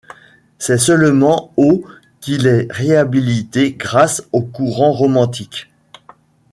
C’est seulement au qu’il est réhabilité grâce au courant romantique.